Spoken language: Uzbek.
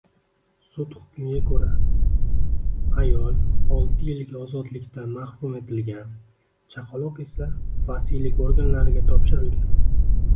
Sud hukmiga ko‘ra, ayololtiyilga ozodlikdan mahrum etilgan, chaqaloq esa vasiylik organlariga topshirilgan